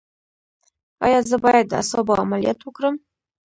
ایا زه باید د اعصابو عملیات وکړم؟